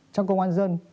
trong công an nhân dân